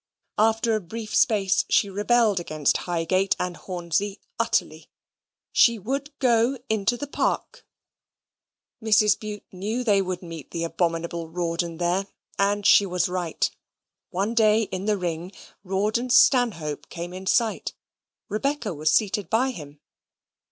After a brief space, she rebelled against Highgate and Hornsey utterly. She would go into the Park. Mrs. Bute knew they would meet the abominable Rawdon there, and she was right. One day in the ring, Rawdon's stanhope came in sight; Rebecca was seated by him.